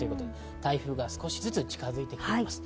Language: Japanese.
台風が少しずつ近づいてきています。